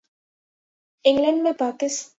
England میں پاکس